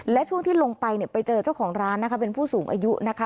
และช่วงที่ลงไปเนี่ยไปเจอเจ้าของร้านนะคะเป็นผู้สูงอายุนะคะ